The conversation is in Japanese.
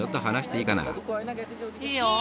いいよ。